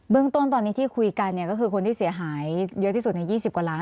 เรื่องต้นตอนนี้ที่คุยกันก็คือคนที่เสียหายเยอะที่สุดใน๒๐กว่าล้าน